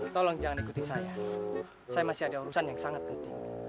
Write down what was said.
tolong jangan ikuti saya saya masih ada urusan yang sangat penting